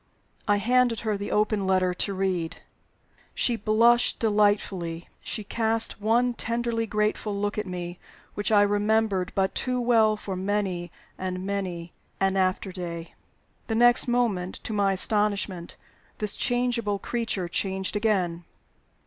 I handed her the open letter to read. She blushed delightfully; she cast one tenderly grateful look at me, which I remembered but too well for many and many an after day. The next moment, to my astonishment, this changeable creature changed again.